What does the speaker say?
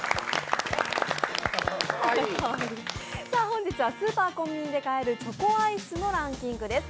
本日はスーパー・コンビニで買えるチョコアイスのランキングです。